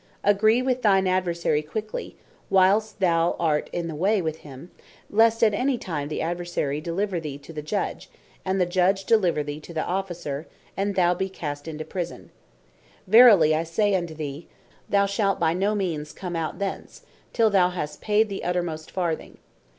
"Agree with thine Adversary quickly, whilest thou art in the way with him, lest at any time the Adversary deliver thee to the Officer, and thou be cast into prison. Verily I say unto thee, thou shalt by no means come out thence, till thou has paid the uttermost farthing."